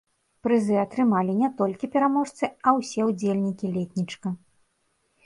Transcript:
Прызы атрымалі не толькі пераможцы, а ўсе ўдзельнікі летнічка.